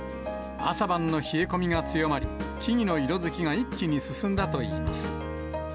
朝晩の冷え込みが強まり、木々の色づきが一気に進んだといいます。